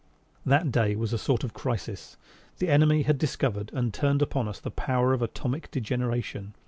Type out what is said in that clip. That day was a sort of crisis; the enemy had discovered and turned upon us the power of atomic degeneration!